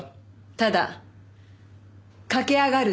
ただ駆け上がるだけ。